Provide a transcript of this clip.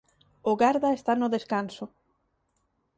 O garda está no descanso.